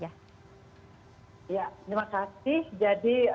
ya terima kasih jadi